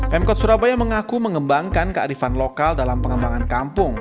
pemkot surabaya mengaku mengembangkan kearifan lokal dalam pengembangan kampung